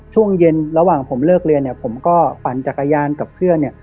ช่วงเย็นระหว่างผมเลิกเรียนเนี่ยผมก็ปั่นจักรยานกับเพื่อนเนี่ย